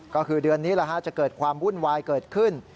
ก็คือเดือนนี้จะเกิดความวุ่นวายเกิดขึ้น